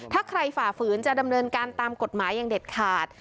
ถ้าใครฝ่าฝืนจะดำเนินการตามกฎหมายอย่างเด็ดขาด